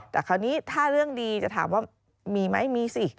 แต่คราวนี้ถ้าเรื่องดีจะถามว่ามีไหมมีสิ